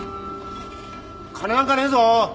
金なんかねえぞ！